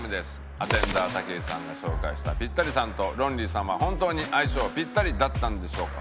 アテンダー武井さんが紹介したピッタリさんとロンリーさんは本当に相性がピッタリだったんでしょうか？